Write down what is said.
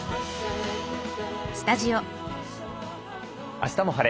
「あしたも晴れ！